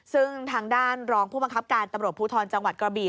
ซึ่งทางด้านรองผู้บังคับการตำรวจภูทรจังหวัดกระบี่